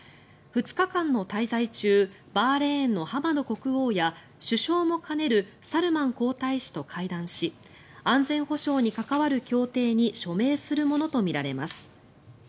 ２日間の滞在中バーレーンのハマド国王や首相も兼ねるサルマン皇太子と会談し安全保障に関わる協定に署名するものとみられます。